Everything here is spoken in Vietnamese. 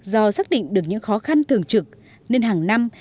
do xác định được những khó khăn thường trực nên hàng năm